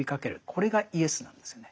これがイエスなんですよね。